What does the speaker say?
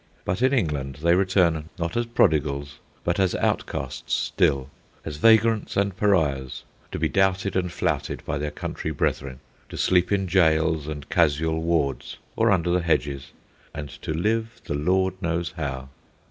But in England they return, not as prodigals, but as outcasts still, as vagrants and pariahs, to be doubted and flouted by their country brethren, to sleep in jails and casual wards, or under the hedges, and to live the Lord knows how.